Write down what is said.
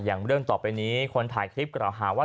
อย่างเรื่องต่อไปนี้คนถ่ายคลิปกล่าวหาว่า